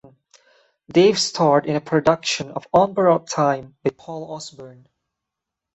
Dave starred in a production of "On Borrowed Time," by Paul Osborne.